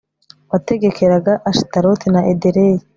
wategekeraga ashitaroti na edereyi